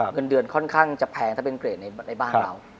เงินเดือนค่อนข้างจะแพงถ้าเป็นเกรดในบ้านเรา